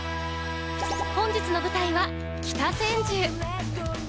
本日の舞台は北千住。